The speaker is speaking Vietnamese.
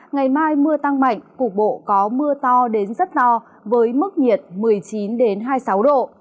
ngày mai mưa tăng mạnh cục bộ có mưa to đến rất no với mức nhiệt một mươi chín hai mươi sáu độ